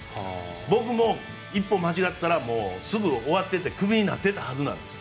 僕も一歩間違ったらすぐ終わっててクビになったはずなんです。